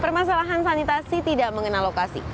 permasalahan sanitasi tidak mengenal lokasi